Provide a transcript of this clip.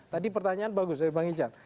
tadi pertanyaan bagus dari bang ican